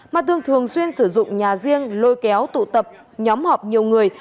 ma tương thường xuyên sử dụng nhà riêng lôi kéo tụ tập nhóm họp nhiều người